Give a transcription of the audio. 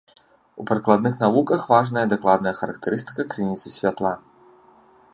У прыкладных навуках важная дакладная характарыстыка крыніцы святла.